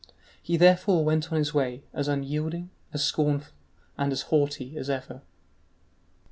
He therefore went on his way, as unyielding, as scornful, and as haughty as ever.